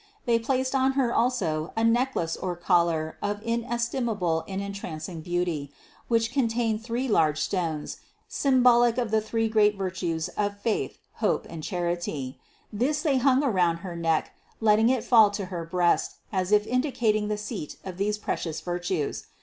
They placed on Her also a necklace or collar of inestimable and entrancing beauty, which contained three large stones, symbolic of the three great virtues of faith, hope and charity; this they hung around her neck letting it fall to her breast as if indicating the seat of these precious virtues.